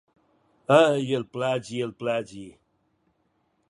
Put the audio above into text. Ai, el plagi el plagi...